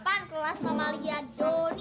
pankelas mamalia joni